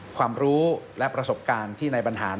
ความรู้และประสบการณ์ที่ในบรรหาร